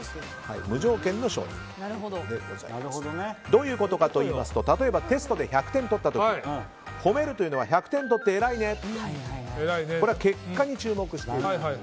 どういうことかといいますと例えばテストで１００点取った時褒めるというのは１００点取って偉いねとこれは結果に注目している。